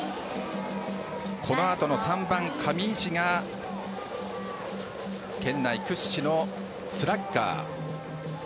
このあとの３番、上石が県内屈指のスラッガー。